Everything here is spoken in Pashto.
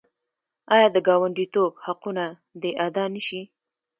آیا د ګاونډیتوب حقونه دې ادا نشي؟